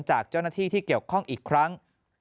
จากเจ้าหน้าที่ที่เกี่ยวข้องอีกครั้ง